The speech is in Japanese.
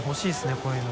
こういうの。